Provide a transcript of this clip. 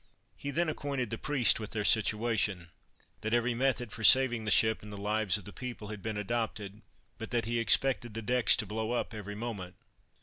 He then acquainted the priest with their situation; that every method for saving the ship and the lives of the people had been adopted, but that he expected the decks to blow up every moment.